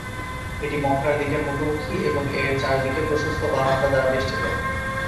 এটি মক্কার দিকের মুখোমুখি এবং এর চারদিকে প্রশস্ত বারান্দা দ্বারা বেষ্টিত।